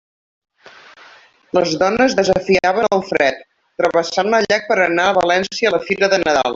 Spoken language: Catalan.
Les dones desafiaven el fred travessant el llac per a anar a València a la fira de Nadal.